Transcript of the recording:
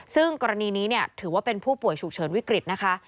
ซึ่งกรณีนี้ถือว่าเป็นผู้ป่วยฉุกเฉินวิกฤตนะคะ